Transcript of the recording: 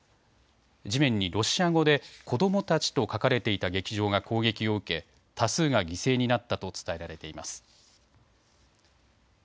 地面にロシア語で子どもたちと書かれていた劇場が攻撃を受け多数が犠牲になったと伝えられています。